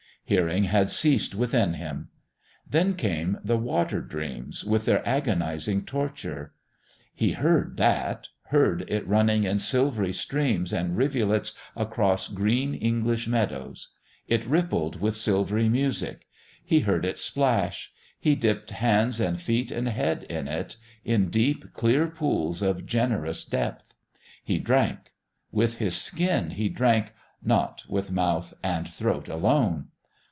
Hearing had ceased within him. Then came the water dreams, with their agonising torture. He heard that ... heard it running in silvery streams and rivulets across green English meadows. It rippled with silvery music. He heard it splash. He dipped hands and feet and head in it in deep, clear pools of generous depth. He drank; with his skin he drank, not with mouth and throat alone.